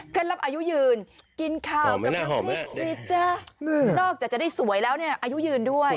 ลับอายุยืนกินข้าวกับน้ำพริกสิจ๊ะนอกจากจะได้สวยแล้วเนี่ยอายุยืนด้วย